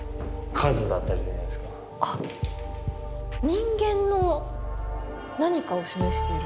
人間の何かを示しているっていう。